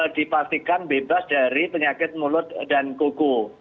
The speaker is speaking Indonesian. dipastikan bebas dari penyakit mulut dan kuku